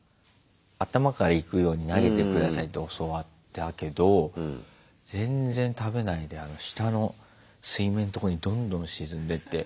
頭からいくように投げて下さいって教わったけど全然食べないで下の水面のとこにどんどん沈んでって。